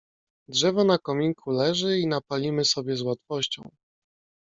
"Drzewo na kominku leży i napalimy sobie z łatwością."